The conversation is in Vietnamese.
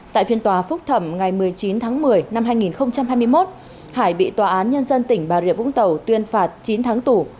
tại phiên tòa phúc thẩm ngày một mươi chín tháng một mươi năm hai nghìn hai mươi một hải bị tòa án nhân dân tỉnh bà rịa vũng tàu tuyên phạt chín tháng tù